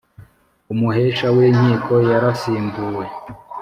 umuhesha w inkiko yarasimbuwe